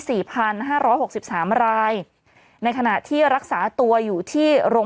สี่พันห้าร้อยหกสิบสามรายในขณะที่รักษาตัวอยู่ที่โรง